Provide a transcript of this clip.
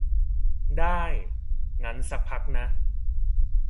ได้ งั้นซักพักนะ